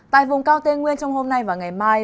tại vùng cao tây nguyên trong hôm nay và ngày mai